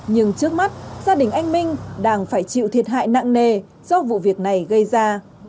nhưng trước mắt gia đình anh minh đang phải chịu thiệt hại nặng nề do vụ việc này gây ra